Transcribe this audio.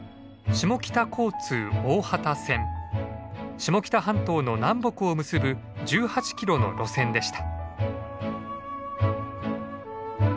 下北半島の南北を結ぶ１８キロの路線でした。